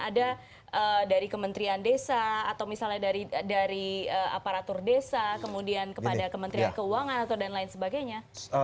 ada dari kementerian desa atau misalnya dari aparatur desa kemudian kepada kementerian keuangan atau dan lain sebagainya